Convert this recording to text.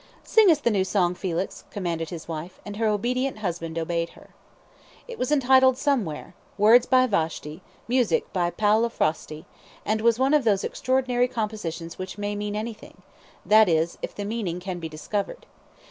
"Sing us the new song, Felix," commanded his wife, and her obedient husband obeyed her. It was entitled, "Somewhere," words by Vashti, music by Paola Frosti, and was one of those extraordinary compositions which may mean anything that is, if the meaning can be discovered.